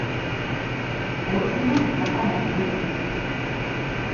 Eguzkiñek gaztainak bildu ditu.